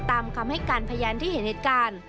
ตามคำให้การพยานที่เห็นเหตุการณ์